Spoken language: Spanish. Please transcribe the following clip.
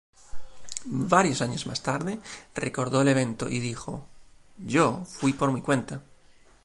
Varios años más tarde, recordó el evento y dijo:"Yo fui por mi cuenta.